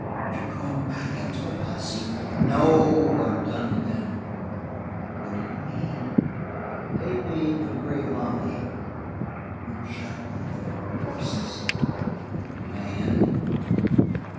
"You're going back after the posse?" "No, I'm done with them." "What do you mean?" "They paid for Grey Molly." "You shot one of their horses?" "A man."